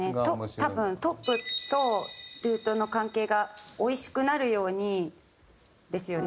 多分トップとルートの関係がおいしくなるようにですよね。